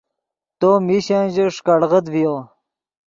تو میشن ژے ݰیکڑغیت ڤیو